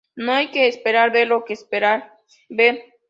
No hay que esperar ver lo que esperas ver.